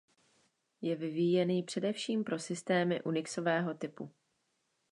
Je vyvíjený především pro systémy unixového typu.